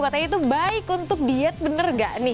katanya itu baik untuk diet bener gak nih